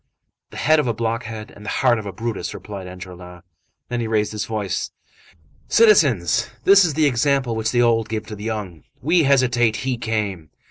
"The head of a blockhead and the heart of a Brutus," replied Enjolras. Then he raised his voice:— "Citizens! This is the example which the old give to the young. We hesitated, he came!